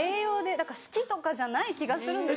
だから好きとかじゃない気がするんですよ。